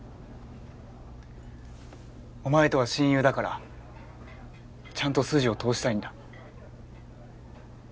お前とは親友だからちゃんと筋を通したいんだ。